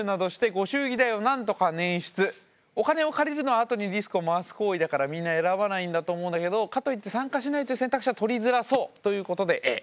お金を借りるのはあとにリスクを回す行為だからみんな選ばないんだと思うんだけどかといって参加しないって選択肢は取りづらそうということでＡ。